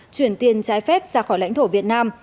chuyển tiền trái phép ra khỏi lãnh thổ việt nam